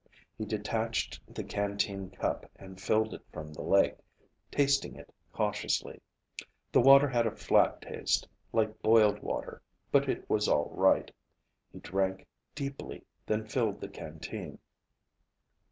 He detached the canteen cup and filled it from the lake, tasting it cautiously. The water had a flat taste, like boiled water, but it was all right. He drank deeply, then filled the canteen.